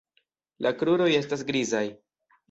La kruroj estas grizaj.